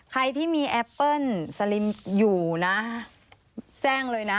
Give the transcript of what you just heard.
ใครที่มีแอปเปิ้ลสลิมอยู่นะแจ้งเลยนะ